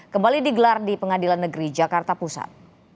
kembali digelar di pengadilan negeri jakarta pusat